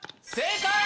正解！